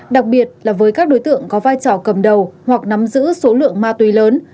đặc biệt là với các đối tượng có vai trò cầm đầu hoặc nắm giữ số lượng ma túy lớn